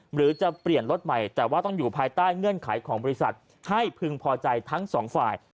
หรือจะเปลี่ยนรถใหม่แต่ว่าต้องอยู่ภายใต้เงื่อนไขของบริษัทให้พึงพอใจทั้งสองฝ่าย